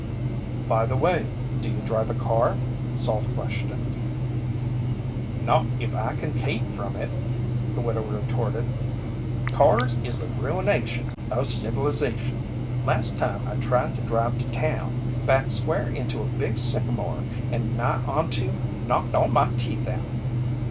"By the way, do you drive a car?" Salt questioned. "Not if I kin keep from it," the widow retorted. "Cars is the ruination o' civilization! Last time I tried to drive to town, backed square into a big sycamore and nigh onto knocked all my teeth out!"